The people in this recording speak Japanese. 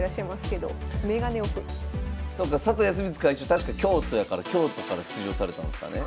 確か京都やから京都から出場されたんですかね。